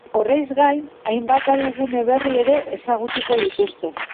Horrez gain, hainbat arigune berri ere ezagutuko dituzte.